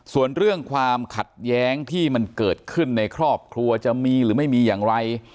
ส่วนเรื่องความขัดแย้งที่มันเกิดขึ้นในครอบครัวจะมีหรือไม่มีอย่างไร